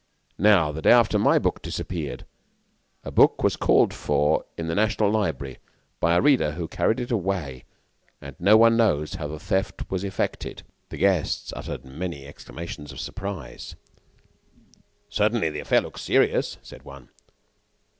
Now, the day after my book disappeared, the book was called for in the National Library by a reader who carried it away, and no one knows how the theft was effected." The guests uttered many exclamations of surprise. "Certainly, the affair looks serious," said one.